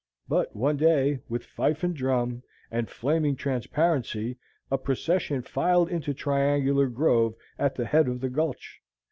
But one day, with fife and drum, and flaming transparency, a procession filed into the triangular grove at the head of the gulch.